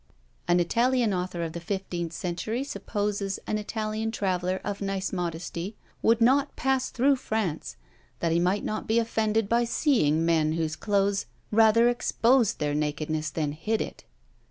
An Italian author of the fifteenth century supposes an Italian traveller of nice modesty would not pass through France, that he might not be offended by seeing men whose clothes rather exposed their nakedness than hid it.